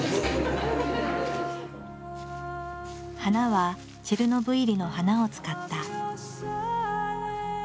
花はチェルノブイリの花を使った。